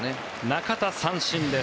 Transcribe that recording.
中田、三振です。